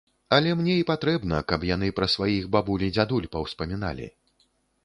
Але мне і патрэбна, каб яны пра сваіх бабуль і дзядуль паўспаміналі.